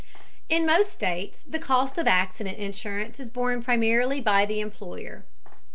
In most states the cost of accident insurance is borne primarily by the employer.